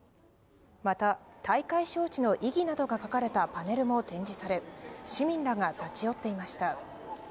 また大会招致の意義などが書かれたパネルも展示され、市民らが立ち寄っていました。